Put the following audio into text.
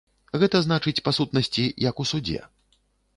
Гэта значыць, па сутнасці, як у судзе.